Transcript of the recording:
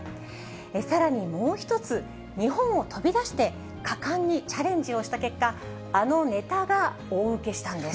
さらにもう１つ、日本を飛び出して、果敢にチャレンジをした結果、あのネタが大受けしたんです。